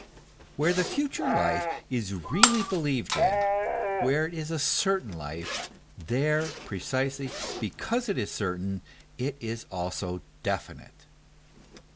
Where the future life is really believed in, where it is a cer tain life, there, precisely because it is certain, it is also definite.